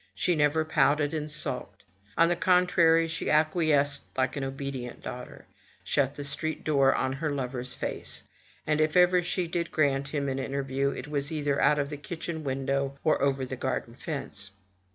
She never pouted and sulked. On the contrary she acquiesced like an obedient daughter, shut the street door in her lover's face, and if ever she did grant him an interview, it was either out of the kitchen window, or over the garden fence.